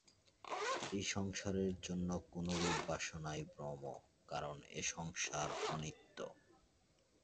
এই সংসারের জন্য কোনরূপ বাসনাই ভ্রম, কারণ এ সংসার অনিত্য।